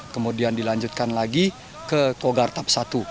kemudian dilanjutkan lagi ke kogar tap satu